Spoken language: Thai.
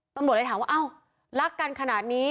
ตำรวจเลยถามว่าอ้าวรักกันขนาดนี้